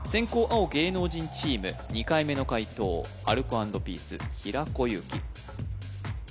青芸能人チーム２回目の解答アルコ＆ピース平子祐希